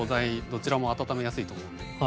どちらも温めやすいと思うんで。